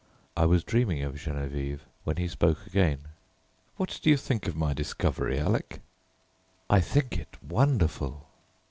I was dreaming of Geneviève when he spoke again. "What do you think of my discovery, Alec?" "I think it wonderful."